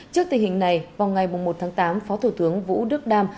trước tình hình này vào ngày một tháng tám phó thủ tướng vũ đức đam